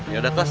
ya udah kos